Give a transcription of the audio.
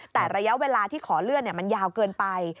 แต่ระยะเวลาที่ขอเลื่อนมันยาวเกินไป